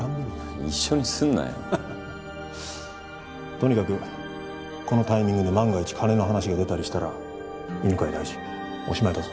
とにかくこのタイミングで万が一金の話が出たりしたら犬飼大臣おしまいだぞ。